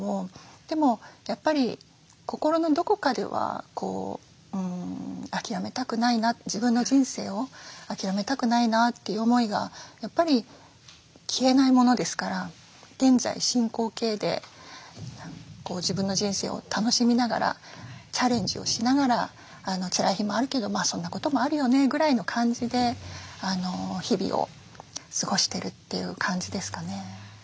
でもやっぱり心のどこかでは諦めたくないな自分の人生を諦めたくないなという思いがやっぱり消えないものですから現在進行形で自分の人生を楽しみながらチャレンジをしながら「つらい日もあるけどそんなこともあるよね」ぐらいの感じで日々を過ごしてるという感じですかね。